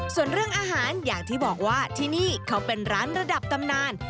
ส่วนเรื่องอาหารอย่างที่บอกว่าที่นี่เขาเป็นร้านระดับตำนาน